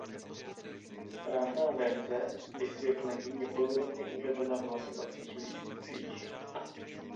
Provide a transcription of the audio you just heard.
Správná verze vysvětlení je podrobně uvedena v hlasovacích lístcích.